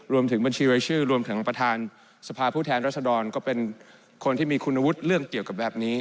รวมถึงประธานสภาพูดแทนรัศดรก็เป็นคนที่มีคุณวุฒิเรื่องเกี่ยวกับแบบนี้